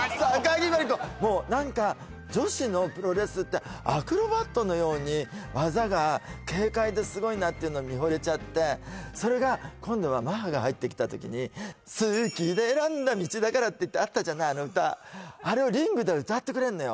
もう何か女子のプロレスってアクロバットのように技が軽快ですごいなっていうのに見ほれちゃってそれが今度はマッハが入ってきた時に「好きで選んだ道だから」ってあったじゃないあの歌あれをリングで歌ってくれるのよ